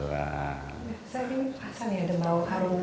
saya ini perasan ya ada bau harum